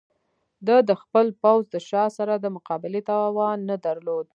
د ده خپل پوځ د شاه سره د مقابلې توان نه درلود.